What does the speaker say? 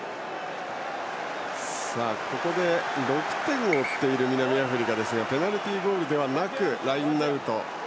６点を追っている南アフリカですがペナルティーゴールではなくラインアウト。